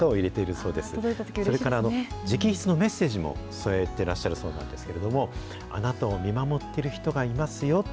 それから直筆のメッセージも添えてらっしゃるそうなんですけれども、あなたを見守っている人がいますよ。